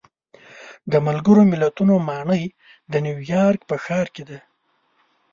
د ملګرو ملتونو ماڼۍ د نیویارک په ښار کې ده.